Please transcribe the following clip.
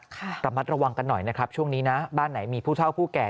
ระมัดระวังกันหน่อยนะครับช่วงนี้นะบ้านไหนมีผู้เท่าผู้แก่